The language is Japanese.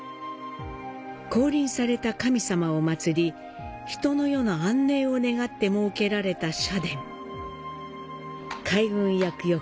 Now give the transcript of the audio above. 降臨された神様を祀り、人の世の安寧を願って設けられた社殿。